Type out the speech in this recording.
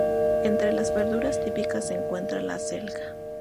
Entre las verduras típicas se encuentra la acelga.